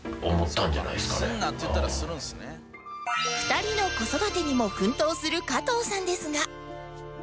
２人の子育てにも奮闘する加藤さんですが